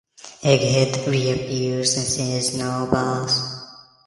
Egghead reappears and says Now Boss?